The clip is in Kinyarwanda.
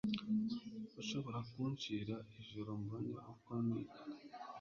Ushobora kunshira ijoro mbone uko niga?